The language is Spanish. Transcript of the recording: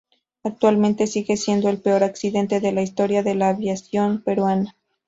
Actualmente sigue siendo el peor accidente de la historia de la aviación peruana.